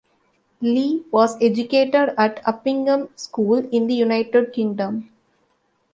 Li was educated at Uppingham School in the United Kingdom.